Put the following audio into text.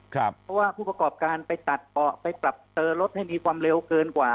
เพราะว่าผู้ประกอบการไปตัดเบาะไปปรับเจอรถให้มีความเร็วเกินกว่า